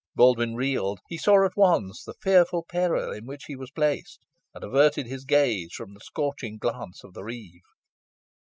Baldwyn reeled. He saw at once the fearful peril in which he was placed, and averted his gaze from the scorching glance of the reeve.